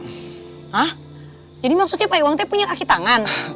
hah jadi maksudnya pak iwang punya kaki tangan